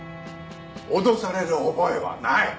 脅される覚えはない！